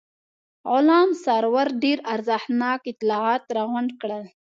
غلام سرور ډېر ارزښتناک اطلاعات راغونډ کړل.